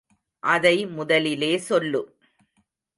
அதை முதலிலே சொல்லு.